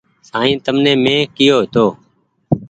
سائين تمني مينٚ ڪيو تو